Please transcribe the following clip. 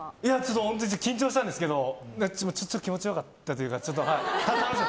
本当に緊張したんですけどちょっと気持ち良かったというか、はい。